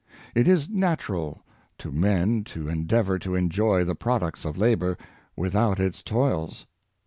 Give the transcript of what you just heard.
It is natural to men to endeavor to enjoy the products of labor without its toils.